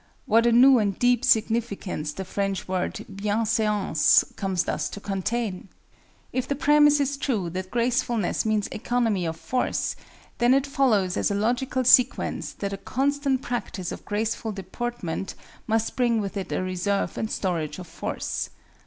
What a new and deep significance the French word biensèance comes thus to contain! [Footnote 12: Etymologically well seatedness.] If the premise is true that gracefulness means economy of force, then it follows as a logical sequence that a constant practice of graceful deportment must bring with it a reserve and storage of force.